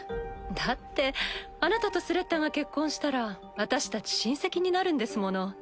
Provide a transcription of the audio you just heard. だってあなたとスレッタが結婚したら私たち親戚になるんですもの。